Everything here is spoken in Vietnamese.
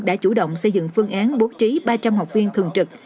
đã chủ động xây dựng phương án bố trí ba trăm linh học viên thường trực